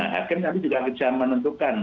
hakin tapi juga bisa menentukan